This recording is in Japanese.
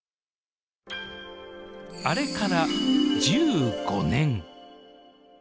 あれから１５年ええっ！